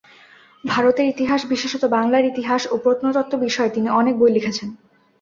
ভারতের ইতিহাস, বিশেষত বাংলার ইতিহাস ও প্রত্নতত্ত্ব বিষয়ে তিনি অনেক বই লিখেছেন।